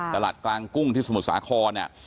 ตลาดกลางกุ้งสมุสาคคอ